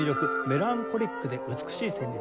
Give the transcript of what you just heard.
メランコリックで美しい旋律